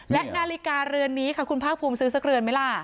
และนาฬิกาเรือนนี้ค่ะคุณภาคภูมิซื้อสักเรือนไหมล่ะ